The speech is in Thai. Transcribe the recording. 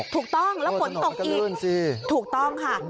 ถูกต้องแล้วฝนตกอีกถูกต้องค่ะ